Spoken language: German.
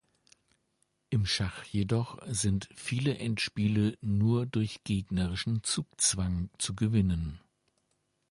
Im Schach jedoch sind viele Endspiele nur durch gegnerischen Zugzwang zu gewinnen.